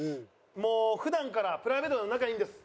もう普段からプライベートでも仲いいんです。